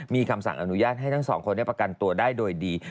มีคำสั่งอนุญาตให้ทั้งสองคนได้ประกันตัวได้โดยดี